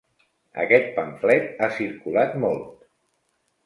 Aquest pamflet ha circulat molt.